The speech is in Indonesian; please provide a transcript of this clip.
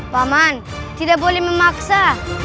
paman tidak boleh memaksa